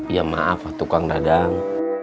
ya maaf tuh kang dadang